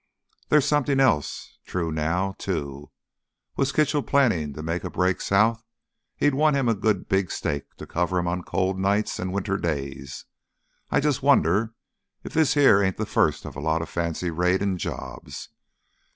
"There's something else true now, too. Was Kitchell plannin' to make a break south, he'd want him a good big stake to cover him on cold nights an' winter days. I jus' wonder if this here ain't th' first of a lot of fancy raidin' jobs.